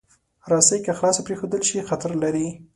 رسۍ که خلاصه پرېښودل شي، خطر لري.